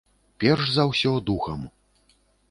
Перш за ўсё, духам.